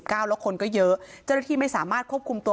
แล้วคนก็เยอะเจ้าหน้าที่ไม่สามารถควบคุมตัว